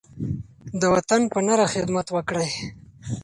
د وطن په نره خدمت وکړئ.